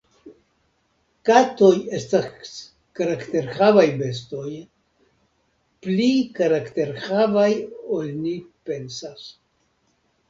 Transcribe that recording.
Katoj estas karakterhavaj bestoj, pli karakterhavaj ol ni pensas.